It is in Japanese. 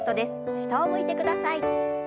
下を向いて下さい。